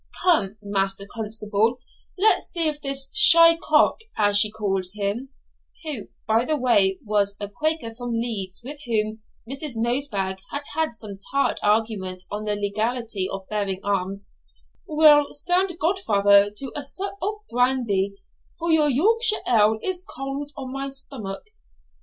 Come, Master Constable, let's see if this shy cock, as she calls him (who, by the way, was a Quaker from Leeds, with whom Mrs. Nosebag had had some tart argument on the legality of bearing arms), will stand godfather to a sup of brandy, for your Yorkshire ale is cold on my stomach.'